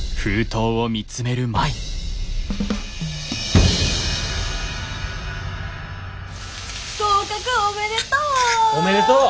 合格おめでとう！